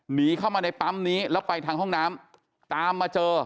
หนีเข้ามาในปั๊มนี้แล้วไปทางห้องน้ำตามมาเจอ